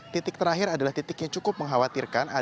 titik terakhir adalah titik yang cukup mengkhawatirkan